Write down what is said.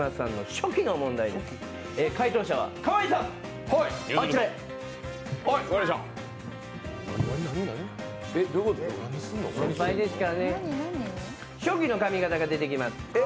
初期の髪形が出てきます。